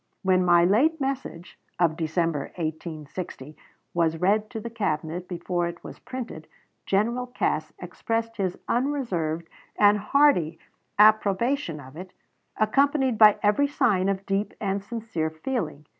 When my late message (of December, 1860) was read to the Cabinet before it was printed, General Cass expressed his unreserved and hearty approbation of it, accompanied by every sign of deep and sincere feeling.